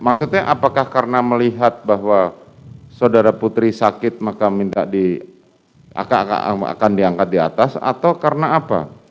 maksudnya apakah karena melihat bahwa saudara putri sakit maka minta akan diangkat di atas atau karena apa